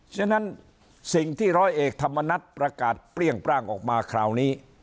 ฉะนั้นสิ่งที่ร้อยเอกธรรมนัฏประกาศเปรี้ยงปร่างออกมาคราวนี้